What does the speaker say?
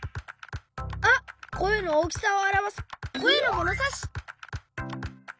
あっこえのおおきさをあらわすこえのものさし！